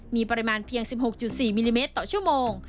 มีปริมาณเพียง๑๖๔มิลลิเมตรต่อชั่วโมง